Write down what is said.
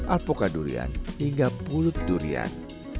alpukadurian hingga bulut durian